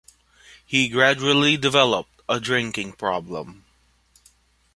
He gradually developed a drinking problem.